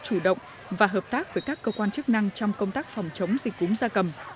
chủ động và hợp tác với các cơ quan chức năng trong công tác phòng chống dịch cúm gia cầm